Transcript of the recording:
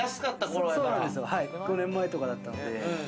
５年前とかだったので。